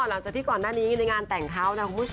หลังจากที่ก่อนหน้านี้ในงานแต่งเขานะคุณผู้ชม